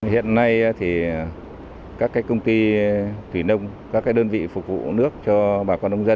hiện nay thì các công ty thủy nông các đơn vị phục vụ nước cho bà con nông dân